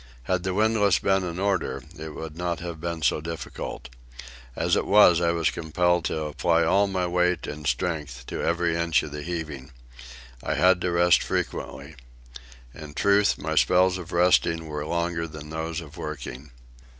Had the windlass been in order it would not have been so difficult; as it was, I was compelled to apply all my weight and strength to every inch of the heaving. I had to rest frequently. In truth, my spells of resting were longer than those of working.